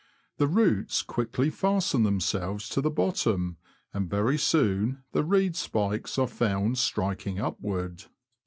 The roots quickly fasten themselves to the bottom, and very soon the reed spikes are found striking upward.